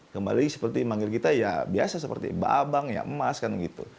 kembali seperti yang manggil kita ya biasa seperti mbak abang mbak emas kan gitu